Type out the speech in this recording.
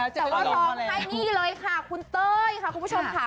แต่ว่าร้องให้นี่เลยค่ะคุณเต้ยค่ะคุณผู้ชมค่ะ